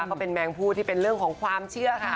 ก็เป็นแมงผู้ที่เป็นเรื่องของความเชื่อค่ะ